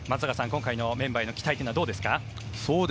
今回のメンバーへの期待はどうですか？